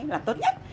một cái là tốt nhất